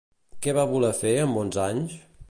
Què va voler fer amb onze anys?